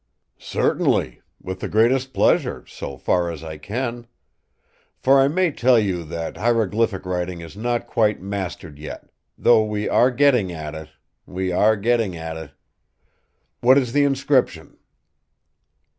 "Certainly, with the greatest pleasure, so far as I can. For I may tell you that hieroglyphic writing is not quite mastered yet; though we are getting at it! We are getting at it! What is the inscription?"